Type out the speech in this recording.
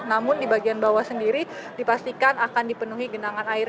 namun di bagian bawah sendiri dipastikan akan dipenuhi genangan air